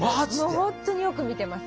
本当によく見てます。